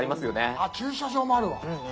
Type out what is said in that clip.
あっ駐車場もあるわ。